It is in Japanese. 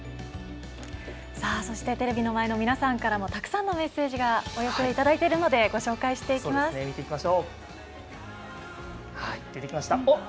そしてテレビの前の皆さんからもたくさんのメッセージお寄せいただいているのでご紹介していきます。